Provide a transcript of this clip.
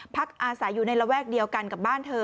พักอาศัยอยู่ในระแวกเดียวกันกับบ้านเธอ